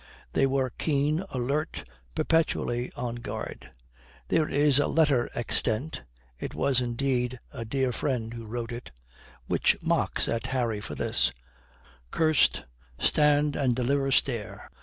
They were keen, alert, perpetually on guard. There is a letter extant it was indeed a dear friend who wrote it which mocks at Harry for his "curst stand and deliver stare."